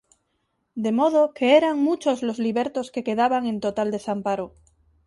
De modo que eran muchos los libertos que quedaban en total desamparo.